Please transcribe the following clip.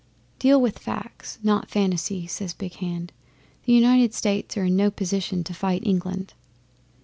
'"Deal with facts, not fancies," says Big Hand. "The United States are in no position to fight England."